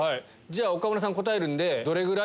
岡村さん答えるんで「どれぐらい」